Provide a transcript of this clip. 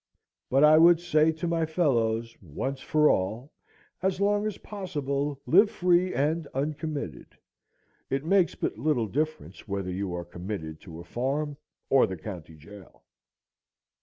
But I would say to my fellows, once for all, As long as possible live free and uncommitted. It makes but little difference whether you are committed to a farm or the county jail.